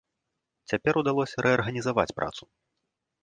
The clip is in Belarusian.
Цяпер удалося рэарганізаваць працу.